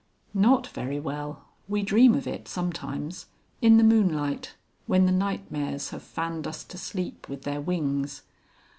"Not very well. We dream of it sometimes. In the moonlight, when the Nightmares have fanned us to sleep with their wings."